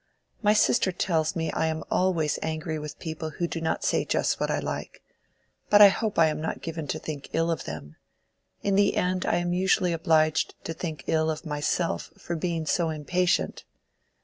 My sister tells me I am always angry with people who do not say just what I like. But I hope I am not given to think ill of them. In the end I am usually obliged to think ill of myself for being so impatient."